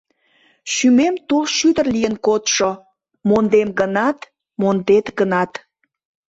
Шӱмем тул шӱдыр лийын кодшо, Мондем гынат, Мондет гынат.